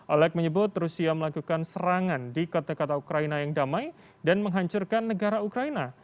alex menyebut rusia melakukan serangan di kota kota ukraina yang damai dan menghancurkan negara ukraina